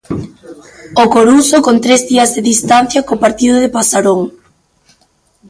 O Coruxo con tres días de distancia co partido de Pasarón.